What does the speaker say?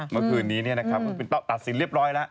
เมื่อคืนนี้ตัดสินเรียบร้อยแล้ว